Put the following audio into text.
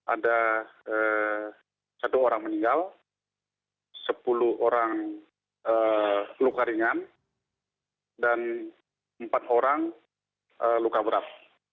ada satu orang meninggal sepuluh orang luka ringan dan empat orang luka berat